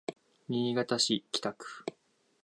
新潟市北区